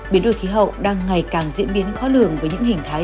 biến đổi khí hậu đang ngày càng diễn biến khó lường với những hình thái